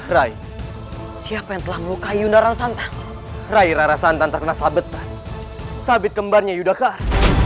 raih siapa yang telah melukai undaran santan rairan santan terkena sabetan sabit kembarnya yudhakar